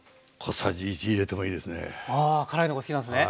あ辛いのが好きなんですね。